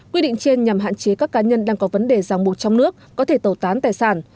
quy định trên nhằm hạn chế các cá nhân đang có vấn đề rằng một trong nước có thể tẩu tán tài sản